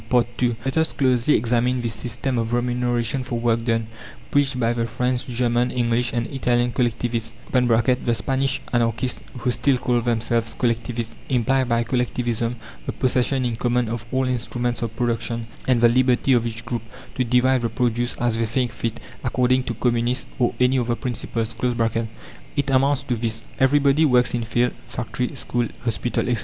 II Let us closely examine this system of remuneration for work done, preached by the French, German, English, and Italian collectivists (the Spanish anarchists, who still call themselves collectivists, imply by Collectivism the possession in common of all instruments of production, and the "liberty of each group to divide the produce, as they think fit, according to communist or any other principles"). It amounts to this: Everybody works in field, factory, school, hospital, etc.